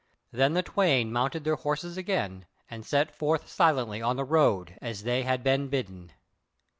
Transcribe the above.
Then the twain mounted their horses again and set forth silently on the road, as they had been bidden.